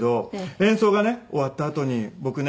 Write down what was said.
演奏がね終わったあとに僕ね